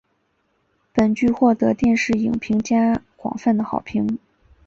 本剧获得电视影评家广泛的好评。